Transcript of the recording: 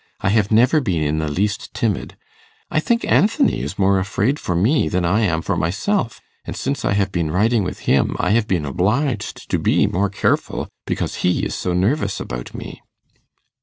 I have never been in the least timid. I think Anthony is more afraid for me than I am for myself; and since I have been riding with him, I have been obliged to be more careful, because he is so nervous about me.